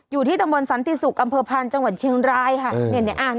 อยู่ที่ตำบลสันติศุกร์อำเภอพานจังหวัดเชียงรายค่ะ